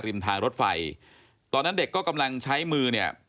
ตกลงไปจากรถไฟได้ยังไงสอบถามแล้วแต่ลูกชายก็ยังไง